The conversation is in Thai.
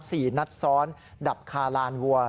สี่นัดซ้อนดับคาลานวัว